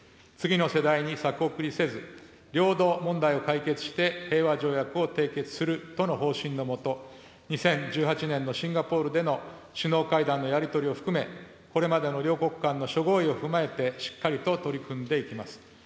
次の世代に先送りせず、領土問題を解決して、平和条約を締結するとの方針の下、２０１８年のシンガポールでの首脳会談のやり取りを含め、これまでの両国間の諸合意を踏まえて、しっかりと取り組んでいきます。